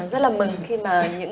rất là mừng khi mà những